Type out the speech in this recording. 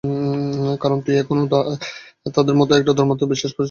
কারণ তুইও এখন তাদের মত একটা ধর্মমতে বিশ্বাস করে চলেছিস বৈ তো নয়।